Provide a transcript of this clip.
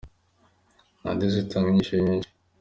Radiyo zitanga inyigisho nyinshi.